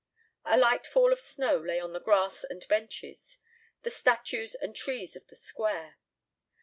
A light fall of snow lay on the grass and benches, the statues and trees of the Square.